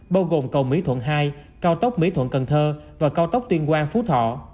bao gồm cầu mỹ thuận hai cao tốc mỹ thuận cần thơ và cao tốc tuyên quang phú thọ